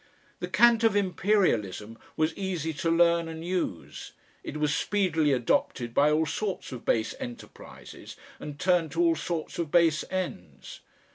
The cant of Imperialism was easy to learn and use; it was speedily adopted by all sorts of base enterprises and turned to all sorts of base ends.